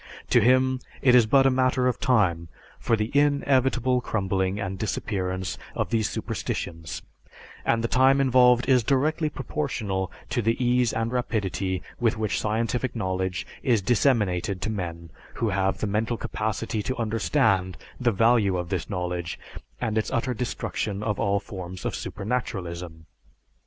To him it is but a matter of time for the inevitable crumbling and disappearance of these superstitions, and the time involved is directly proportional to the ease and rapidity with which scientific knowledge is disseminated to men who have the mental capacity to understand the value of this knowledge and its utter destruction of all forms of supernaturalism.